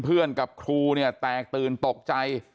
กับครูเนี่ยแตกตื่นตกใจ